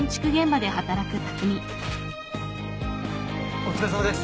お疲れさまです。